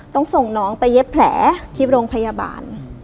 ต้องส่งน้องไปเย็บแผลที่โรงพยาบาล